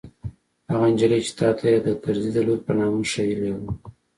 هغه نجلۍ چې تا ته يې د کرزي د لور په نامه ښييلې وه.